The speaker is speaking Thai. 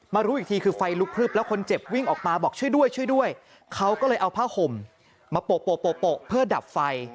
รู้อีกทีคือไฟลุกพลึบแล้วคนเจ็บวิ่งออกมาบอกช่วยด้วยช่วยด้วยเขาก็เลยเอาผ้าห่มมาโปะเพื่อดับไฟ